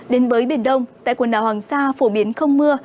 đến với biển đông tại quần đảo hoàng sa phổ biến không mưa